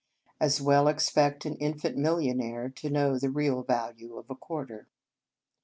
As well ex pect an infant millionaire to know the real value of a quarter.